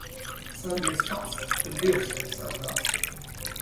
Sargies pats, tad dievs tevi sargās.